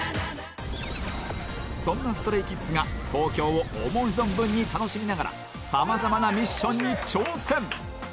そんな ＳｔｒａｙＫｉｄｓ が東京を思う存分に楽しみながらさまざまなミッションに挑戦